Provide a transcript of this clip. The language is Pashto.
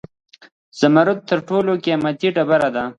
زمرد تر ټولو قیمتي ډبره ده